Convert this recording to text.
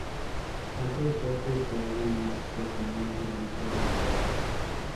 Otro islote se halla en las cercanías de la isla Oriental.